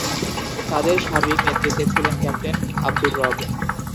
তাদের সার্বিক নেতৃত্বে ছিলেন ক্যাপ্টেন আবদুর রব।